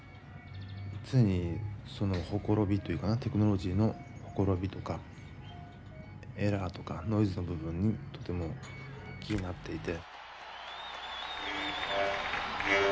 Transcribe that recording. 常にその綻びというかなテクノロジーの綻びとかエラーとかノイズの部分にとても気になっていて。